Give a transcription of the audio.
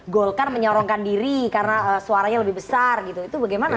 golkar menyorongkan diri karena suaranya lebih besar gitu itu bagaimana